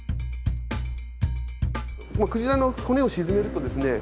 鯨の骨を沈めるとですね